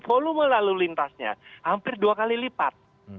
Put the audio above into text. volume lalu lintasnya hampir dua kali lipat